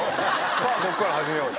さあここから始めよう。